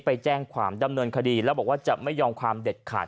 ไปแจ้งความดำเนินคดีแล้วบอกว่าจะไม่ยอมความเด็ดขาด